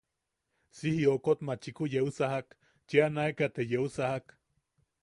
Si jiokot machiku yeu sajak, cheneaka te yeu sajak.